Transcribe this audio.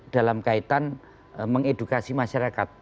dalam kaitan mengedukasi masyarakat